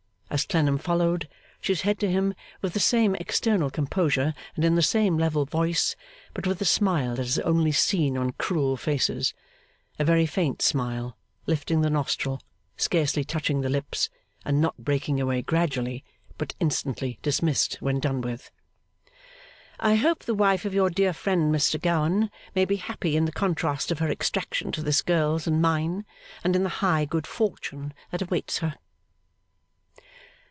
As Clennam followed, she said to him, with the same external composure and in the same level voice, but with a smile that is only seen on cruel faces: a very faint smile, lifting the nostril, scarcely touching the lips, and not breaking away gradually, but instantly dismissed when done with: 'I hope the wife of your dear friend Mr Gowan, may be happy in the contrast of her extraction to this girl's and mine, and in the high good fortune that awaits her.